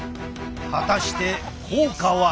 果たして効果は？